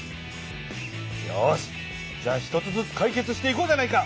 よしじゃあ１つずつかい決していこうじゃないか。